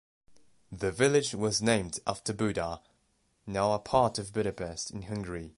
The village was named after Buda, now a part of Budapest, in Hungary.